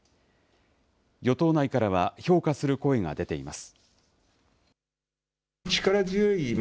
与党内からは、評価する声が出ています。